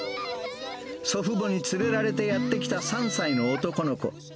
祖父母に連れられてやって来た３歳の男の子。